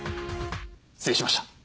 失礼しました。